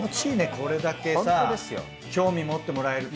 これだけさ興味持ってもらえると。